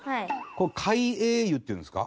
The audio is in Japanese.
これ「改栄湯」っていうんですか。